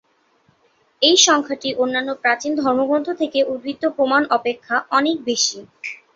এই সংখ্যাটি অন্যান্য প্রাচীন ধর্মগ্রন্থ থেকে উদ্ধৃত প্রমাণ অপেক্ষা অনেক বেশি।